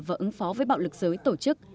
và ứng phó với bạo lực giới tổ chức